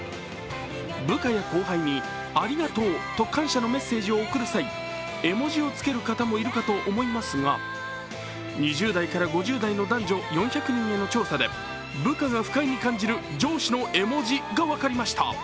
部下や後輩にありがとうと感謝のメッセージを送る際絵文字をつける方もいるかと思いますが２０代から５０代への男女４００人への調査で部下が不快に感じる上司の絵文字がわかりました。